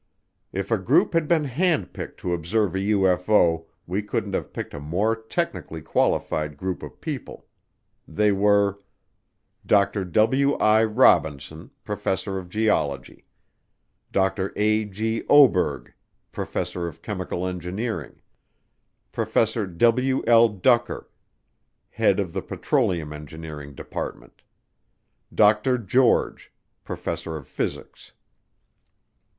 If a group had been hand picked to observe a UFO, we couldn't have picked a more technically qualified group of people. They were: Dr. W. I. Robinson, Professor of Geology. Dr. A. G. Oberg, Professor of Chemical Engineering. Professor W. L. Ducker, Head of the Petroleum Engineering Department. Dr. George, Professor of Physics.